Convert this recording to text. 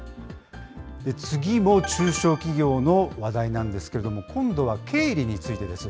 次も中小企業の話題なんですけれども、今度は経理についてです。